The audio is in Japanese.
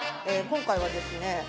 今回はですね